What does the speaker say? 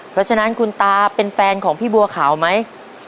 เพราะฉะนั้นคุณตาเป็นแฟนของพี่บัวขาวไหม